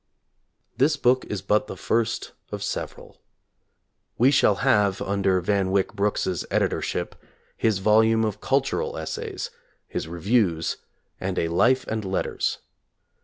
This book is but the first of several. We shall have, under Van Wyck Brooks's editorship, his volume of cultural essays, his reviews, and a "Life and Letters."